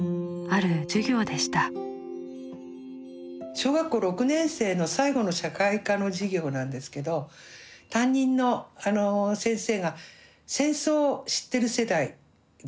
小学校６年生の最後の社会科の授業なんですけど担任の先生が戦争を知ってる世代だったんですね。